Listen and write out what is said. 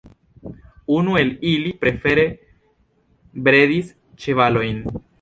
Unu el ili, prefere, bredis ĉevalojn.